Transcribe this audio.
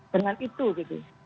dengan itu gitu